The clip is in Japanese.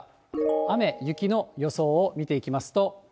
雨、雪の予想を見ていきますと。